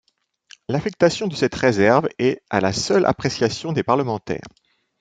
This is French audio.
L’affectation de cette réserve est à la seule appréciation des parlementaires.